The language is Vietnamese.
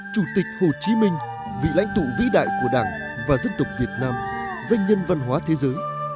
chủ tịch hồ chí minh vị lãnh tụ vĩ đại của đảng và dân tộc việt nam danh nhân văn hóa thế giới